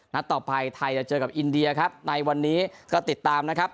ต่อไปไทยจะเจอกับอินเดียครับในวันนี้ก็ติดตามนะครับ